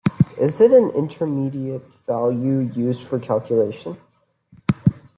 Is it an intermediate value used for a calculation?